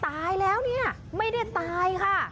ตายแล้วเนี่ยไม่ได้ตายค่ะ